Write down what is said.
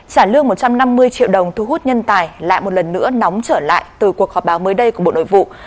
trả lương một trăm năm mươi triệu đồng thu hút nhân tài lại một lần nữa nóng trở lại từ cuộc họp báo mới đây của bộ nội vụ